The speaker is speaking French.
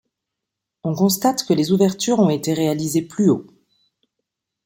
On constate que les ouvertures ont été réalisées plus haut.